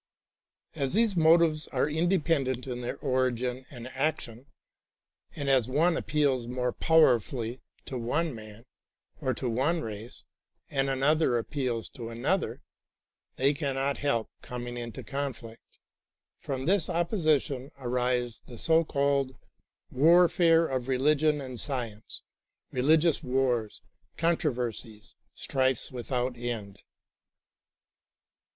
As these motives are independent in their origin and action, and as one appeals more powerfully to one man or to one race, and another appeals to another, they cannot help coming into conflict. From this opposition arise the so called warfare of relio^ion and science, religious wars, controversies, strifes without end.